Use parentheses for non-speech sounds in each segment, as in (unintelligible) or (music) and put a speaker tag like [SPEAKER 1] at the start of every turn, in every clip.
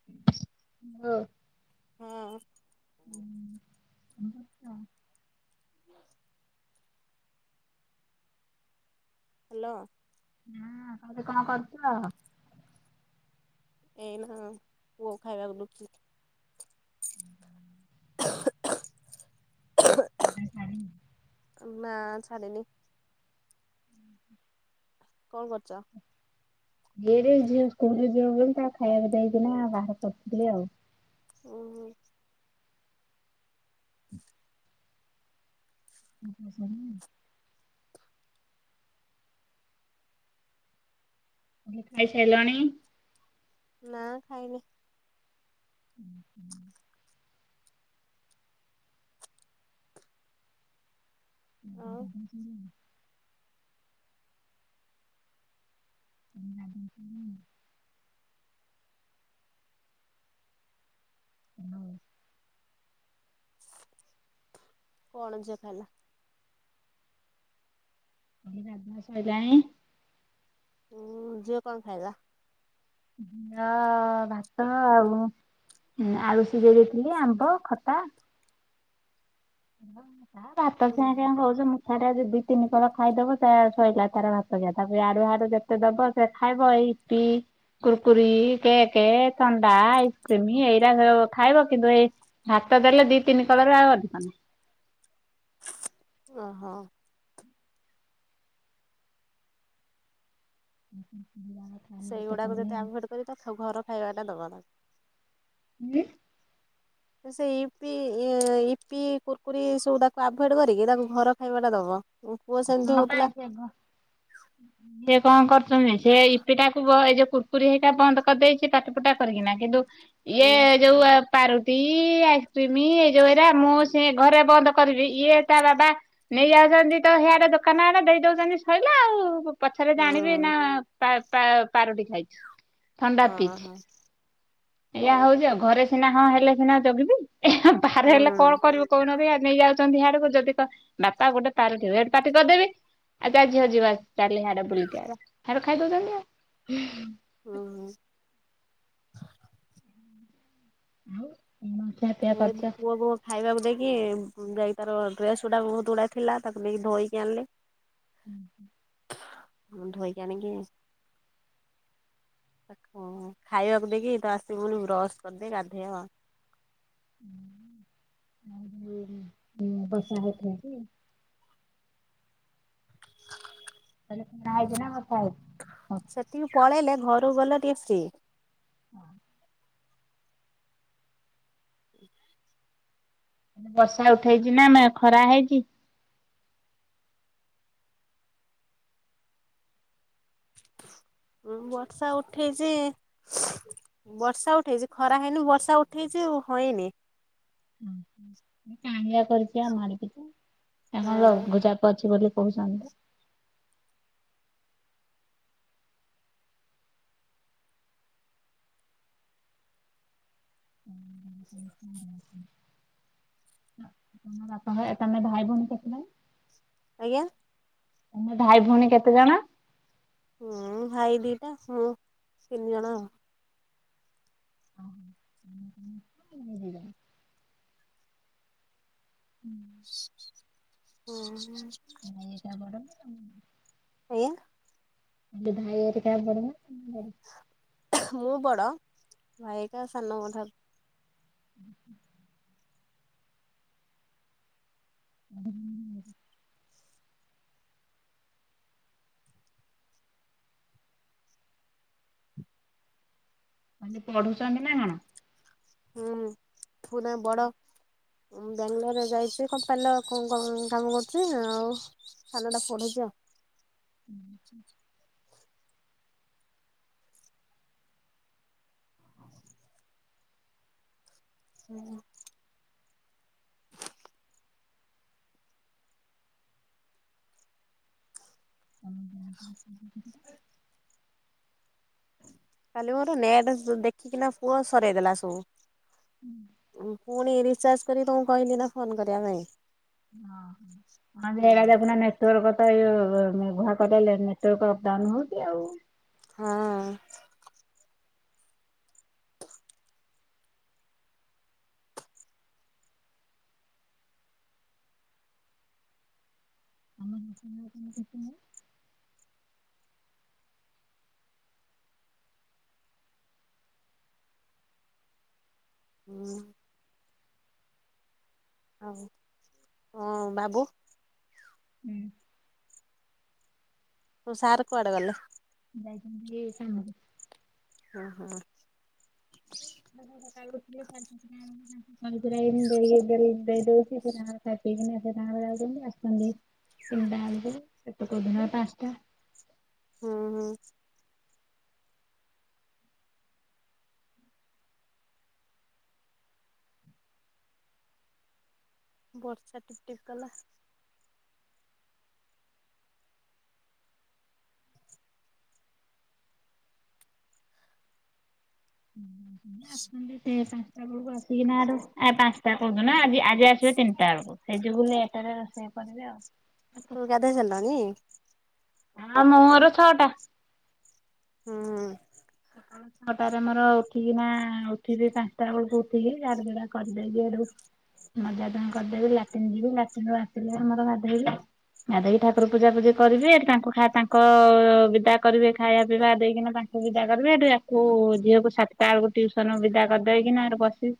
[SPEAKER 1] (unintelligible)
[SPEAKER 2] ହଁ।
[SPEAKER 1] (unintelligible)
[SPEAKER 2] (unintelligible) ହାଲୋ।
[SPEAKER 1] (unintelligible) କଣ କରୁଥିଲ?
[SPEAKER 2] ଏଇନା ପୁଅ ଖାଇବାକୁ ଦଉଥିଲି। (inaudible) ନା ଛାଡ଼ିନି।
[SPEAKER 1] (unintelligible)
[SPEAKER 2] କଣ କରୁଚ?
[SPEAKER 1] (unintelligible) ଝିଅ ସ୍କୁଲ ଯିବ ବୋଲି ତାକୁ ଖାଇବାକୁ ଦେଇକିନା ବାହାର କରୁଥିଲି ଆଉ।
[SPEAKER 2] ଉଁ ହୁଁ।
[SPEAKER 1] ଖିଆ ପିଆ ସଇଲାନି? ଝିଅ ଖାଇସାଇଲଣି?
[SPEAKER 2] ନା ଖାଇନି।
[SPEAKER 1] (unintelligible)
[SPEAKER 2] ଆଉ
[SPEAKER 1] (unintelligible) (unintelligible) ହାଲୋ।
[SPEAKER 2] କଣ ଝିଅ ଖାଇଲା?
[SPEAKER 1] ଏଇ ରାନ୍ଧଣା ସଇଲାଣି।
[SPEAKER 2] ଉଁ ଝିଅ କଣ ଖାଇଲା?
[SPEAKER 1] ଝିଅ ଭାତ ଆଉ ଆଳୁ ସିଜେଇ ଦେଇଥିଲି ଆମ୍ବ ଖଟା (inaudible) ଭାତ (unintelligible)
[SPEAKER 2] ଉଁ
[SPEAKER 1] ଖାଉଛନ୍ତି ସେଟା ଯି ଦିତିନି ଥର ଖାଇଦବ ତା ଶୋଇଲା ତାର ଭାତ ଖିଆ ତାକୁ ୟାଡୁ ହ୍ୟାଡୁ ଯେତେ ଦବ ସେ ଖାଇବ ଏଇ ଟି କୁୁରକୁରି, କେକେ, ଥଣ୍ଡା, ଆଇସ୍କ୍ରିମ ଏଇରା ସବୁ ଖାଇବ କିନ୍ତୁ ଏଇ ଭାତ ଦେଲେ ଦି ତିନି କଳରେ ଆଉ ଅଧିକ ନା
[SPEAKER 2] ଓହୋ।
[SPEAKER 1] (inaudible)
[SPEAKER 2] ସେଇଗୁଡାକୁ ଯତେ ଆଭୋଏଡ କରି ତାକୁ ଖା ଘର ଖାଇବାଟା ଦବା ଦର
[SPEAKER 1] ମୁଁ
[SPEAKER 2] ଏ ସେଇ ଇପି ଏ ଇପି କୁୁରୁକୁରି ଏଇ ସବୁ ତାକୁ ଆଭୋଏଡ କରିକି ତାକୁ ଘର ଖାଇବାଟା ଦବ। ମୋ ପୁଅ ସେମତି
[SPEAKER 1] ହଁ ପା
[SPEAKER 2] ହୋଉଥୁଲା
[SPEAKER 1] ସେ ବ ସେ କଣ କରୁଚନ୍ତି ସେ ଏଇ ଇପିଟାକୁ ବ ଏ ଯୋଉ କୁର ପୁରୀ ହେଇକା ବନ୍ଦ କରିଦେଇଚି ପାଟି ପୁଟା କରିକିନା କିନ୍ତୁ ଇଏ
[SPEAKER 2] ହୁଁ
[SPEAKER 1] ଯୋଉ ପାରୁଟି, ଆଇସ୍କ୍ରିମ ଏଇ ଯୋଉ ଏରା ମୁଁ ସେ ଘରେ ବନ୍ଦ କରିବି ଇଏ ତା ବାବା ନେଇ ଯାଉଚନ୍ତି ତ ହ୍ୟାଡେ ଦୋକାନ ଆଡେ ଦେଇ ଦୋଉଚନ୍ତି ସଇଲା ଆଉ ମୁଁ ପଛରେ ଜାଣିବି
[SPEAKER 2] ହୁଁ
[SPEAKER 1] ନା ପା ପା ପାରୁଟି ଖାଇଚି ଥଣ୍ଡା
[SPEAKER 2] ହଁ
[SPEAKER 1] ପିଇଚି।
[SPEAKER 2] ହଁ
[SPEAKER 1] ଏଇଆ ହୋଉଚି ଆଉ ଘରେ ସିନା ହଁ ହେଲେ ସିନା ଜଗିବି ଏ ବାହାରେ
[SPEAKER 2] ହୁଁ
[SPEAKER 1] ହେଲେ କଣ କରିବୁ କୋଉ ନାହାନ୍ତି ନେଇଯାଉ। ଚନ୍ତି ହ୍ୟାଡକୁ ଯଦି କ ବାପା ଗୋଟେ ପାରୁଟି ମୁଁ ହେଟୁ ପାଟି କରିଦେବି ଆଉ ଚାଲ୍ ଝିଅ ଯିବା ଚାଲେ ହ୍ୟାଡେ ବୁଲିକି ଆଇବା ହ୍ୟାଡୁ ଖାଇଦୋଉଚନ୍ତି ଆଉ।
[SPEAKER 2] ଉଁ ହୁଁ।
[SPEAKER 1] ହୋଉ
[SPEAKER 2] ସେ ଏଠୁ ପୁଅ। (unintelligible) ଖାଇବାକୁ ଦେଇକି ଏ ଉଁ ଯାଇକି ତାର ଡ୍ରେସପଟା ବୋହୁତ ଗୁଡ଼ାଏ ଥିଲା ତାକୁ ନେଇକି ଧୋଇକି ଆଣଲେ।
[SPEAKER 1] ଉଁହୁଁ।
[SPEAKER 2] ଧୋଇକି ଆଣି କି (inaudible) ଖାଇବାକୁ ଦେଇକି ତ ଆସିବୁ (unintelligible) ବ୍ରସ୍ କରିଦେଇ ଗାଧେଇବ।
[SPEAKER 1] (inaudible) (unintelligible) ଆଇଚି ନା କଥା (unintelligible)
[SPEAKER 2] ସେଠିକୁ ପଳେଇଲେ ଘରୁକୁ ଗଲେ ଟିକେ ଫ୍ରି।
[SPEAKER 1] ଅହ।
[SPEAKER 2] ହଁ। (unintelligible)
[SPEAKER 1] ବର୍ଷା ଉଠେଇଚି ନା ନା ଖରା ହେଇଚି?
[SPEAKER 2] ଉଁ ବର୍ଷା ଉଠେଇଚି। ବର୍ଷା ଉଠେଇଚି ଖରା ହେଇନି ବର୍ଷା ଉଠେଇଚି ଆଉ ହଇନି।
[SPEAKER 1] ଉଁହୁଁ ଉଁ। ଇଏ କରିଚି ଆମ ଆଡେ ଟିକେ କଣ
[SPEAKER 2] ହଁ
[SPEAKER 1] ରଘୁଚାପ ଅଛି ବୋଲି କୋହୁଚନ୍ତି ତ।
[SPEAKER 2] (unintelligible)
[SPEAKER 1] ହଁ ବାପା, ମାଆ ଆଉ ତମେ ଭାଇ, ଭୋଉଣୀ କେତେ ଜଣ?
[SPEAKER 2] ଆଜ୍ଞା?
[SPEAKER 1] ତମେ ଭାଇ ଭୋଉଣୀ କେତେଜଣ?
[SPEAKER 2] ହୁଁ ଭାଇ ଦିଇଟା ମୁଁ ତିନି ଜଣ ଆଉ।
[SPEAKER 1] ଓହୋ। (inaudible) ହଁ ଦିଇ ଜଣ।
[SPEAKER 2] ଓହୋ। ଆଜ୍ଞା।
[SPEAKER 1] (unintelligible)
[SPEAKER 2] ମୁଁ ବଡ ଭାଇ ହେଇକା ସାନ ମୋ ଠାରୁ।
[SPEAKER 1] ହୁଁ। (inaudible) ମାନେ ପଢୁଛନ୍ତି ନା କଣ?
[SPEAKER 2] ହୁଁ ଥୁ ନା ବଡ଼। ବାଙ୍ଗାଲୋରରେ ଯାଇଛି କମ୍ପାନୀ କଣ କାମ କରୁଛି ଆଉ। ସାନ ଟା ପଢୁଚି। (unintelligible)
[SPEAKER 1] ହୁଁ ହଁ ଉ
[SPEAKER 2] (inaudible) (inaudible)
[SPEAKER 1] (inaudible)
[SPEAKER 2] କାଲି ମୋର ନେଟ ଦେଖିକିନା ପୁଅ ସରେଇ ଦେଲା ସବୁ।
[SPEAKER 1] ହୁଁ।
[SPEAKER 2] ପୁଣି ରିଚାର୍ଜ କରି ତମକୁ କହିଲି ନା ଫୋନ କରିବା ପାଇଁ।
[SPEAKER 1] ହଁ। (unintelligible) ତୋର
[SPEAKER 2] ହଁ
[SPEAKER 1] ତ ଏ ଘଣ୍ଟା ଟା ଲେ ନେଟୱର୍କ ଅପଡାଉନ ହଉଛି ଆଉ।
[SPEAKER 2] ହଁ
[SPEAKER 1] (inaudible)
[SPEAKER 2] ହୁଁ ଆଉ ହଁ ବାବୁ।
[SPEAKER 1] ହୁଁ।
[SPEAKER 2] ତୋ ସାର୍ କୁଆଡ଼େ ଗଲେ?
[SPEAKER 1] ଯାଇଚନ୍ତି କାମକୁ।
[SPEAKER 2] ହଁ ହଁ
[SPEAKER 1] (inaudible) ପନିପରିବା ଦେ -ଦେ- ଦଉଚିା ଖିଆପିଆ କରିକି (unintelligible) ସେ ଗ ଯାଉଛନ୍ତି ଆସୁଛନ୍ତି ତିନିଟା ବେଳକୁ କୋଉଦିନ ପାଞ୍ଚଟା।
[SPEAKER 2] ହୁଁ ହୁଁ ବର୍ଷା ଟିପ ଟିପ କଲା।
[SPEAKER 1] ଆସୁଛନ୍ତି ସେ ପା। ବେଳକୁ ଆସିକି ନା ଆ ପାଞ୍ଚଟା କଉଦିନ ନା ଆଜି ଆଜି ଆସିବେ ତିନିଟା ବେଳକୁ ସେ ଯୋଗୁ ଲେଟରେ ରୋଷେଇ କରିବି ଆଉ।
[SPEAKER 2] ତୁ ଗାଧେଇ ସାରିଲଣିି?
[SPEAKER 1] ଆ ମୋର ଛଅଟା।
[SPEAKER 2] ହୁଁ
[SPEAKER 1] ଛଅଟାରେ ମୋର ଉଠିକି ନା ଉଠିବି ପାଞ୍ଚଟା ବେଳକୁ ଉଠିକି ଝାଡୁଝୁଡା କରିଦେବି ଏଡୁ। ମଜା ଧୁଆ କରିଦେବି ଲାଟିନ୍ ଯିବି ଲାଟିନ ରୁ ଆସିଲେ ମୋର ଗାଧେଇବି। ଗାଧେଇକି ଠାକୁର ପୂଜା ପୂଜି କରିବି ତାଙ୍କୁ ତାଙ୍କ ବିଦା କରିବି ଖାଇବା ପିଇବା ଦେଇକିନା ତାଙ୍କୁ ବିଦା କରିବି। ୟାକୁ ଝିଅକୁ ସାତଟା ବେଳକୁ ଟିଉସନ ବିଦା କରିଦେଇକିନା ବସିବି।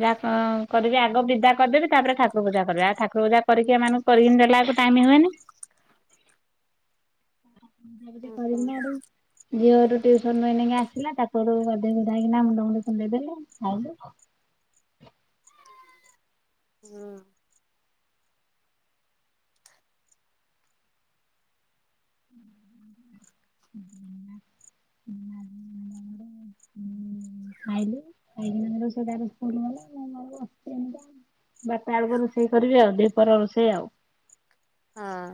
[SPEAKER 1] ଯାହା କ କରିବି ଆଗ ବିଦା କରିଦେବି ତାପରେ ଠାକୁର ପୂଜା କରିବି ଆଉ ଠାକୁର ପୂଜା କରିକି ଏମାନଙ୍କୁ କରିକି ନେଲା ବେଳକୁ ଟାଇମ ହୁଏନି। ପୂଜା ପୂଜି
[SPEAKER 2] ହୁଁ
[SPEAKER 1] କରିକିନା ହେଠୁ ଝିଅର ଟିଉସନ ରୁ ଏଇନିକା ଆସିଲା ତାକୁୁ ହେଠୁ ଗଧେଇ ଗୁଧା କିନା ମୁଣ୍ଡମୁଣ୍ଡି କୁଣ୍ଡେଇ ଦେଲୁ ଖାଇଲୁ।
[SPEAKER 2] ହୁଁ
[SPEAKER 1] (inaudible) ହୁଁ ଖାଇଲୁ ଖାଇକିନା ସେ ତାର ସ୍କୁଲ ଗଲା ମୁଁ ବସିଛି। ବାରଟା ବେଳକୁ ରୋଷେଇ କରିବି ଆଉ ଦି ପହର ରୋଷେଇ ଆଉ।
[SPEAKER 2] ହଁ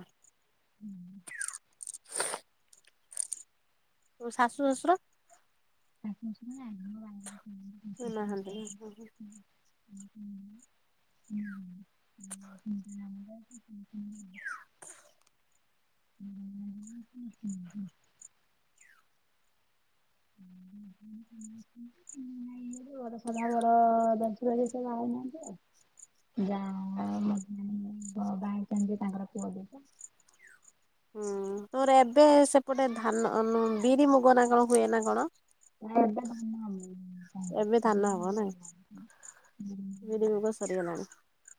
[SPEAKER 1] ହୁଁ
[SPEAKER 2] ତୋ ଶାଶୁ ଶ୍ୱଶୁର?
[SPEAKER 1] (inaudible)
[SPEAKER 2] ସିଏ ନାହାନ୍ତି ଉଁ ହଁ।
[SPEAKER 1] (inaudible) (inaudible) (inaudible) (inaudible) (unintelligible) ଯା ମୋର ମଝିଆ ପୁଅ ବାହା‌ହେଇଛନ୍ତି ତାଙ୍କର ପୁଅ ଦି ଟା
[SPEAKER 2] ହୁଁ ପୁରା ଏବେ ସେପଟେ ଧାନ ବିରି ମୁଗ ନା କଣ ହୁଏ ନା କଣ।
[SPEAKER 1] (inaudible)
[SPEAKER 2] ଏବେ ଧାନ ହବ ନାଇଁ। ବିରି ମୁଗ ସରିଗଲାଣି।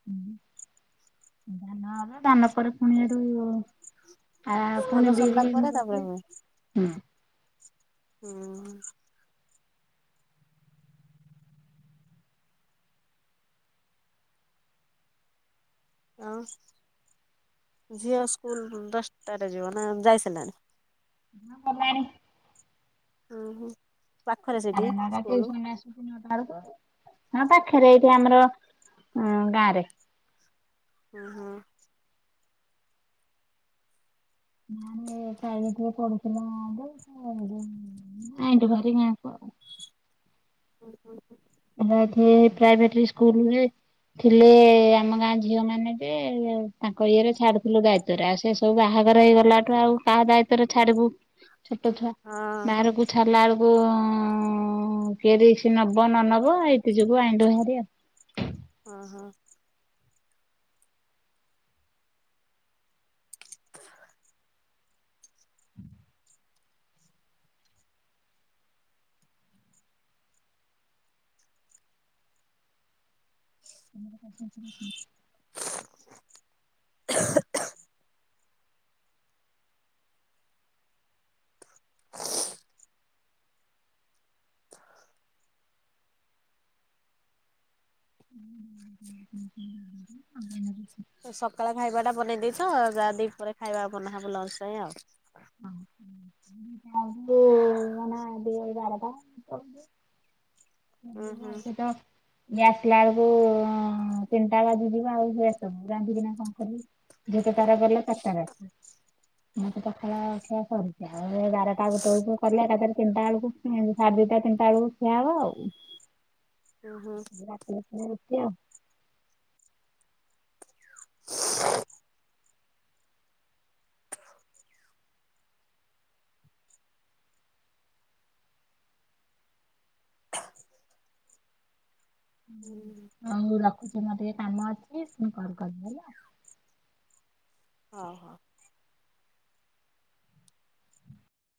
[SPEAKER 1] ହୁଁ ଧାନ ହ ଧାନ ପରେ ପୁଣି ସେଠୁ। ଆ ପୁଣି
[SPEAKER 2] ଧାନ ସରିଲା
[SPEAKER 1] ବିରି
[SPEAKER 2] ପରେ
[SPEAKER 1] ମୁଗ
[SPEAKER 2] ତାପରେ
[SPEAKER 1] ହୁଏ।
[SPEAKER 2] ହୁଁ। ଆଉ ଝିଅ ସ୍କୁଲ ଦଶଟା ରେ ଯିବ ନା ଯାଇ ସାଇଲାଣି।
[SPEAKER 1] ନା ଗଲାଣି।
[SPEAKER 2] ଉଁ ହୁଁ ପାଖରେ ସେଠି ସ୍କୁଲ।
[SPEAKER 1] ଯାଉଛି ନ ଟା ବେଳକୁ ହଁ ପାଖରେ ଏଇଠି ଆମର ଗାଁ ରେ।
[SPEAKER 2] ଉଁ ହୁଁ।
[SPEAKER 1] (inaudible) ଆଇଁଲୁ ଭାରି ଗାଁ କୁ ଆଉ।
[SPEAKER 2] ହୁଁ ହୁଁ।
[SPEAKER 1] ଆମ ଏଠେ ଏଇ ପ୍ରାଇଭେଟ ସ୍କୁଲୁରେ। ଥିଲେ ଆମ ଗାଁ ଝିଅ ମାନେ ଯେ ତାଙ୍କ ଇଏରେ ଛାଡୁଥିଲୁ ଦା ଇତ୍ବ ରେ ଆଉ ସେ ସବୁ ବାହାଘର ହେଇ ଗଲାଠୁ ଆଉ କାହା ଦାୟିତ୍ଵ ରେ ଛାଡିବୁ। ଛୋଟ ଛୁଆ
[SPEAKER 2] ହଁ
[SPEAKER 1] ବାହାରକୁ ଛାଡିଲା ବେଳକୁ ଉଁ କିଏ ରିକ୍ସ ନବ ନ ନବ। ହେଇତି ଯୋଗୁ ଆଇଁଲୁ ଭାରି ଆଉ।
[SPEAKER 2] ଓ ହ। ହ (inaudible)
[SPEAKER 1] ଶାଶୁ ଶଶୁର ଅଛନ୍ତି।
[SPEAKER 2] (inaudible) (inaudible) ହ (inaudible)
[SPEAKER 1] (inaudible)
[SPEAKER 2] ସକାଳେ ଖାଇବା ଟା ବନେଇ ଦେଇଛ ଯାହା ଦି ପରେ ଖାଇବା ବନାହବ ଲଞ୍ଚ ପାଇଁ ଆଉ।
[SPEAKER 1] (inaudible) (inaudible)
[SPEAKER 2] ଉଁ ହୁଁ
[SPEAKER 1] ଇଏ ଆସିଲା ବେଳକୁ ତିନିଟା ବାଜିଯିବ ଆଉ ସେ। ତ ମୁଁ ରାନ୍ଧିକି ନା କଣ କରିବି ଝିଅ ତ ତାର ଗଲା ଚାରିଟାରେ ଆସିବ ମୁଁ ତ। ସଖାଳ ଖିଆ ସରିଛି ଆଉ ଏ ବାରଟା ଗୋଟେ ବେଳକୁ କରିବି ଏକା ଥରେ ତିନିଟା ବେଳକୁ। ଶାଢେ ଦିଟା ତିନିତ ବେଳକୁ ଖିଆ ହବ ଆଉ।
[SPEAKER 2] ଓହୋ।
[SPEAKER 1] ଏଇ ରାତି ରେ ପୁଣି ରୁଟି।
[SPEAKER 2] (inaudible) ହ (inaudible) (inaudible)
[SPEAKER 1] ହୁଁ ହଉ ମୁଁ ରଖୁଛି ମୋର ଟିକେ କାମ ଅଛି ମୁଁ କଲ୍ କରିବି ହେଲା।
[SPEAKER 2] ହଉ ହଉ।